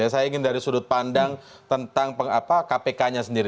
saya ingin dari sudut pandang tentang kpk nya sendiri